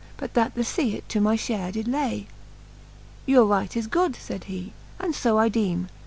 But that the fea it to my fliare did lay ? Your right is good, fayd he, and fo I deemc.